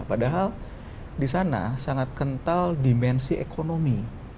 padahal di sana sangat kental dimensi ekonomi